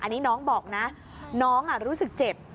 อันนี้น้องบอกนะน้องรู้สึกเจ็บ